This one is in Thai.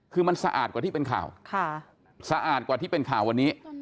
คือมันสะอาดกว่าที่เป็นข่าวสะอาดกว่าที่เป็นข่าววันนี้